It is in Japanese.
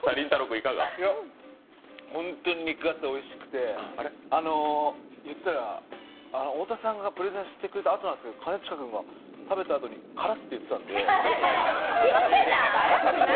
ホントに肉厚でおいしくて、太田さんがプレゼンしてくれたあとなんですけど、兼近君が食べたあとに「辛っ」て言ってたんで。